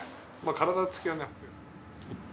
体つきはね。